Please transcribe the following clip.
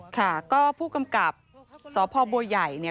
ค่ะก็ผู้กำกับสพบัวใหญ่เนี่ย